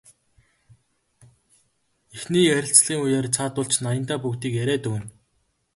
Эхний ярилцлагын үеэр цаадуул чинь аяндаа бүгдийг яриад өгнө.